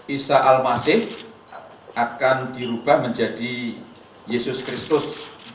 isa al masif akan dirubah menjadi yesus kristus